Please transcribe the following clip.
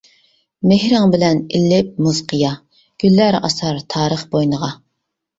مېھرىڭ بىلەن ئىللىپ مۇز قىيا، گۈللەر ئاسار تارىخ بوينىغا.